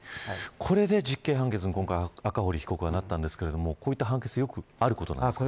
これで実刑判決が今回赤堀被告はなったんですがこういった判決よくあることなんですか。